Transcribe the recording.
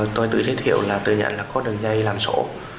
tôi tự giới thiệu là tự nhận là có đường dây làm sổ